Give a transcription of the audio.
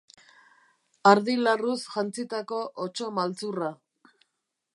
Ardi larruz jantzitako otso maltzurra.